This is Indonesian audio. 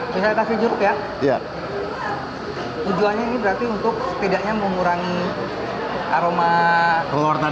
kita tapi juga ya iya ujuannya ini berarti untuk setidaknya mengurangi aroma telur telurnya iya